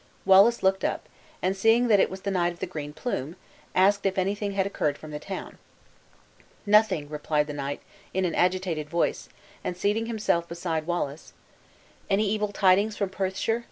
Wallace looked up, and seeing that it was the Knight of the Green Plume, asked if anything had occurred from the town. "Nothing," replied the knight, in an agitated voice, and seating himself beside Wallace. "Any evil tidings from Perthshire?"